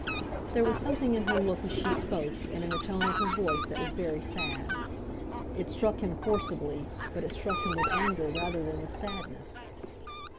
There was something in her look as she spoke, and in the tone of her voice that was very sad. It struck him forcibly, but it struck him with anger rather than with sadness.